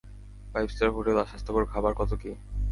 Five star hotel, স্বাস্থ্যকর খাবার, কত কী।